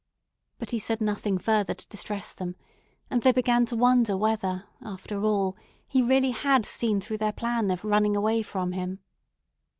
But he said nothing further to distress them, and they began to wonder whether, after all, he really had seen through their plan of running away from him.